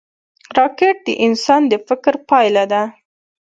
راکټ د انسان د فکر پایله ده